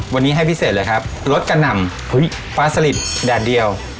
วันนี้ให้พิเศษเลยครับรสกระหน่ำปลาสลิดแดดเดียว